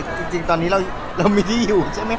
จริงตอนนี้เรามีที่อยู่ใช่มั้ยคะ